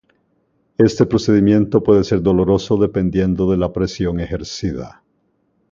Este procedimiento puede ser doloroso dependiendo de la presión ejercida.